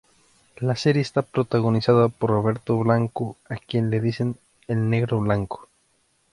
La serie está protagonizada por Roberto Blanco, a quien le dicen "El Negro Blanco".